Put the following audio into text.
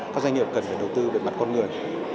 các doanh nghiệp cần phải đầu tư về mặt con người